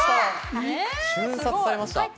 瞬殺されました。